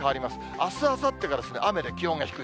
あす、あさってが雨で気温が低い。